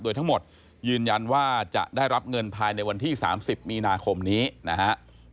โดยทั้งหมดยืนยันว่าจะได้รับเงินภายในวันที่๓๐มีนาคมนี้นะฮะ